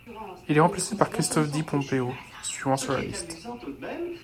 Il est remplacé par Christophe Di Pompeo, suivant sur la liste.